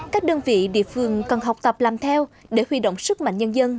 các đơn vị địa phương cần học tập làm theo để huy động sức mạnh nhân dân